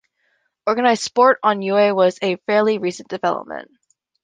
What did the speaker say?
Organized sport on Niue was a fairly recent development.